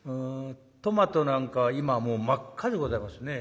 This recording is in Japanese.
トマトなんかは今もう真っ赤でございますね。